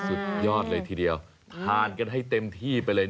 สุดยอดเลยทีเดียวทานกันให้เต็มที่ไปเลย